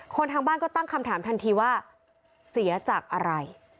ทางบ้านก็ตั้งคำถามทันทีว่าเสียจากอะไร